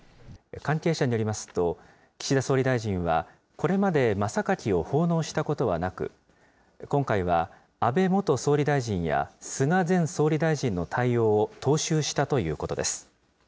関係者によりますと、岸田総理大臣はこれまで真榊を奉納したことはなく、今回は安倍元総理大臣や菅前総理大臣の対応を踏襲したということです。